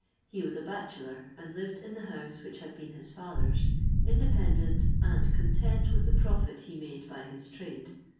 He was a bachelor, and lived in the house which had been his father's, independent and content with the profit he made by his trade.